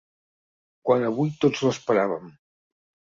Quan avui tots l’esperàvem.